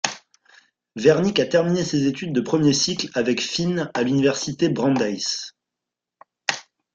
Wernick a terminé ses études de premier cycle avec Fines à l'Université Brandeis.